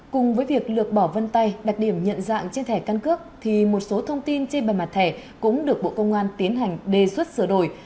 cùng với việc lược bỏ vân tay đặc điểm nhận dạng trên thẻ căn cước thì một số thông tin trên bề mặt thẻ cũng được bộ công an tiến hành đề xuất sửa đổi